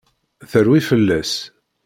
Terwi fell-as!